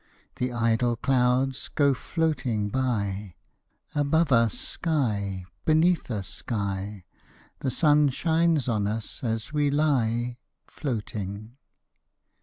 The idle clouds go floating by; Above us sky, beneath us sky; The sun shines on us as we lie Floating.